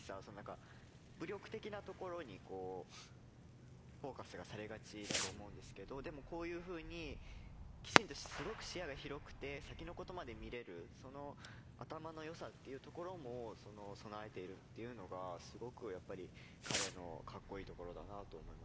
武力的なところにフォーカスがされがちだと思うんですけどでもこういうふうにきちんとすごく視野が広くて先のことまで見れるその頭のよさっていうところも備えているっていうのがすごくやっぱり彼のかっこいいところだなと思いましたね。